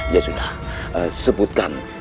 ya sudah sebutkan